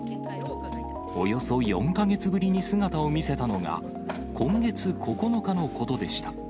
およそ４か月ぶりに姿を見せたのが、今月９日のことでした。